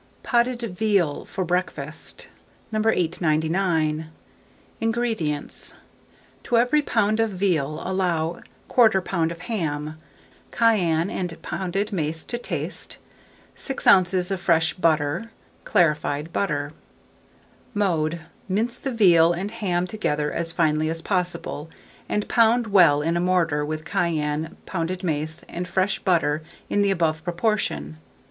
POTTED VEAL (for Breakfast). 899. INGREDIENTS. To every lb. of veal allow 1/4 lb. of ham, cayenne and pounded mace to taste, 6 oz. of fresh butter; clarified butter. Mode. Mince the veal and ham together as finely as possible, and pound well in a mortar, with cayenne, pounded mace, and fresh butter in the above proportion.